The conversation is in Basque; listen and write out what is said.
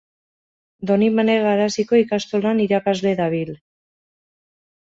Donibane Garaziko ikastolan irakasle dabil.